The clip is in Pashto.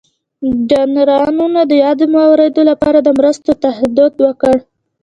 ډونرانو د یادو مواردو لپاره د مرستو تعهد وکړ.